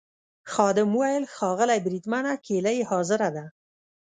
خادم وویل: ښاغلی بریدمنه کیلۍ حاضره ده.